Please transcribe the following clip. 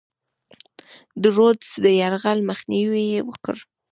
د رودز د یرغل مخنیوی یې وکړ.